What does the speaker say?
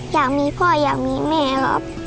อยากมีพ่ออยากมีแม่ครับ